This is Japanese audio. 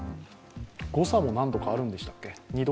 誤差も何度かあるんでしたっけ？